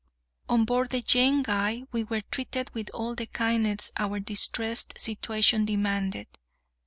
_ On board the Jane Guy we were treated with all the kindness our distressed situation demanded.